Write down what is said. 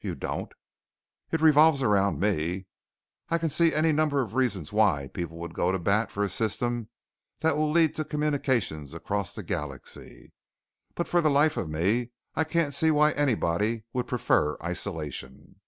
"You don't?" "It revolves around me. I can see any number of reasons why people would go to bat for a system that will lead to communications across the galaxy. But for the life of me I can't see why anybody would prefer isolation."